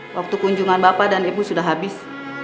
waktu kunjungan bapak dan ibu sudah habis